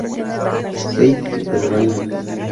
Stade de Reims